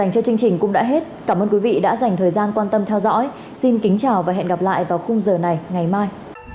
cảm ơn các bạn đã theo dõi và hẹn gặp lại